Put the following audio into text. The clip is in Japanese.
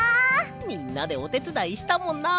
みんなでおてつだいしたもんな。